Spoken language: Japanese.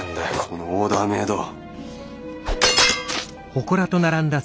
このオーダーメード。